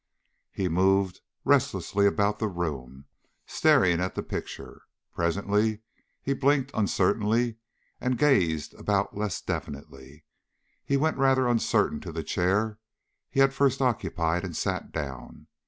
He moved restlessly about the room, staring at the picture. Presently he blinked uncertainly and gazed about less definitely. He went rather uncertainly to the chair he had first occupied and sat down.